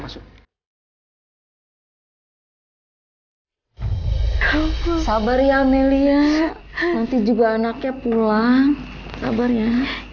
sabar ya amelia nanti juga anaknya pulang sabar ya